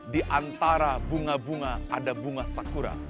diantara bunga bunga ada bunga sakura